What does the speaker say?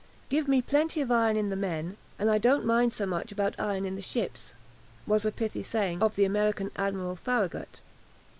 "Give me plenty of iron in the men, and I don't mind so much about iron in the ships," was a pithy saying of the American Admiral Farragut.